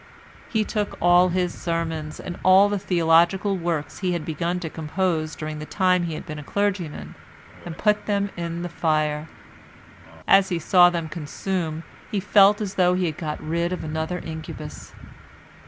He took all his sermons and all the theological works he had begun to compose during the time he had been a clergyman and put them in the fire; as he saw them consume he felt as though he had got rid of another incubus.